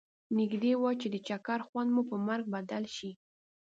نږدي و چې د چکر خوند مو پر مرګ بدل شي.